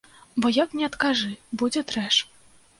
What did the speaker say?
Бо як ні адкажы, будзе трэш.